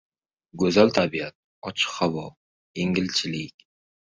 Goʻzal tabiat, ochiq havo, kengchilik.